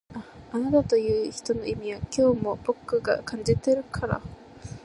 あなたという人の意味は今日も僕が感じてるから